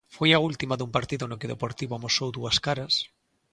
Foi a última dun partido no que o Deportivo amosou dúas caras.